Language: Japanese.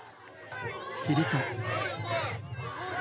すると。